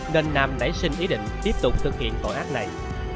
nên nam nảy sinh ý định tiếp tục thực hiện tội ác này